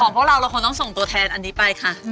พวกเราเราคงต้องส่งตัวแทนอันนี้ไปค่ะ